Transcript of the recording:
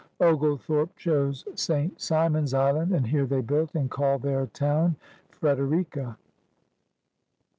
Oglethorpe chose St. Simon's Island, and here they built, and called their town Prederica.